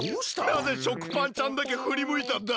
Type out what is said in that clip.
なぜ食パンちゃんだけふりむいたんだ！？